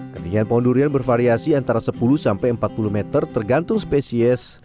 ketinggian pohon durian bervariasi antara sepuluh sampai empat puluh meter tergantung spesies